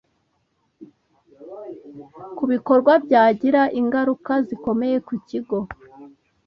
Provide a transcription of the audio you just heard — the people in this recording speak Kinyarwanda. ku bikorwa byagira ingaruka zikomeye ku kigo